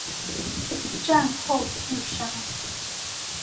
战后自杀。